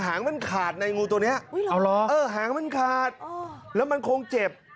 หางมันขาดในงูตัวนี้หางมันขาดแล้วมันคงเจ็บ